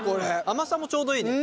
甘さもちょうどいいね。